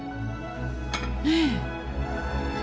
ねえ。